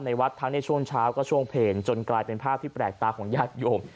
วัดทั้งในช่วงเช้าก็ช่วงเพลจนกลายเป็นภาพที่แปลกตาของญาติโยม